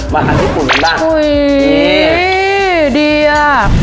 อาหารญี่ปุ่นกันบ้างอุ้ยดีอ่ะ